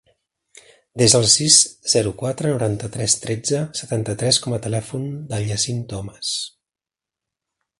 Desa el sis, zero, quatre, noranta-tres, tretze, setanta-tres com a telèfon del Yassine Tomas.